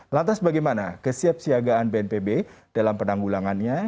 lantas bagaimana kesiap siagaan bnpb dalam penanggulangannya